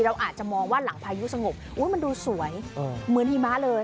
เราอาจจะมองว่าหลังพายุสงบมันดูสวยเหมือนหิมะเลย